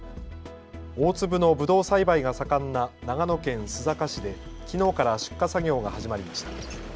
大粒のぶどう栽培が盛んな長野県須坂市できのうから出荷作業が始まりました。